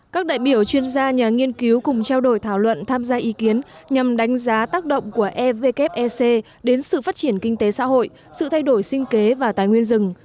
các đại biểu chuyên gia nhà nghiên cứu cùng trao đổi thảo luận tham gia ý kiến nhằm đánh giá tác động của evfec đến sự phát triển kinh tế xã hội sự thay đổi sinh kế và tài nguyên rừng